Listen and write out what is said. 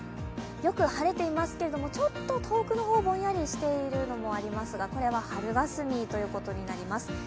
よく晴れていますけれどもちょっと遠くの方、ぼんやりしてるのもありますが、これは春がすみということになります。